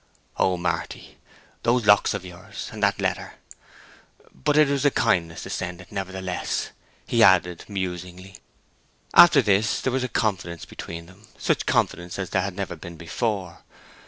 "Oh, Marty, those locks of yours—and that letter! But it was a kindness to send it, nevertheless," he added, musingly. After this there was confidence between them—such confidence as there had never been before.